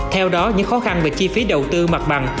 theo đó những khó khăn về chi phí đầu tư mặt bằng